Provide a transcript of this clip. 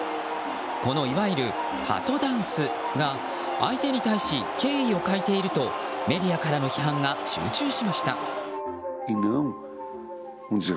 この、いわゆるハトダンスが相手に対し敬意を欠いているとメディアからの批判が集中しました。